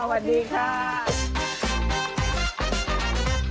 สวัสดีครับ